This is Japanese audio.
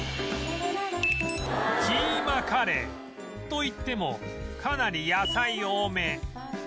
キーマカレーといってもかなり野菜多め